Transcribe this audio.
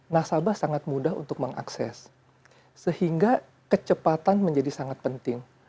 nasabah sangat mudah untuk mengakses sehingga kecepatan menjadi sangat penting